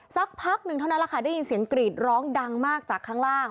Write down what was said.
สักพักหนึ่งเท่านั้นแหละค่ะได้ยินเสียงกรีดร้องดังมากจากข้างล่าง